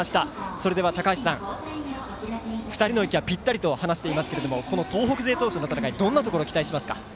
それでは高橋さん２人の息はぴったりと話していますが東北勢同士の戦いどんなところを期待しますか。